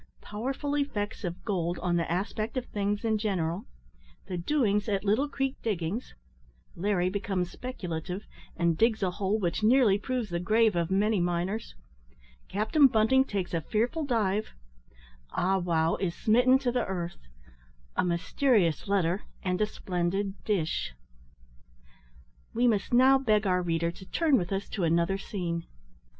POWERFUL EFFECTS OF GOLD ON THE ASPECT OF THINGS IN GENERAL THE DOINGS AT LITTLE CREEK DIGGINGS LARRY BECOMES SPECULATIVE, AND DIGS A HOLE WHICH NEARLY PROVES THE GRAVE OF MANY MINERS CAPTAIN BUNTING TAKES A FEARFUL DIVE AH WOW IS SMITTEN TO THE EARTH A MYSTERIOUS LETTER, AND A SPLENDID DISH. We must now beg our reader to turn with us to another scene.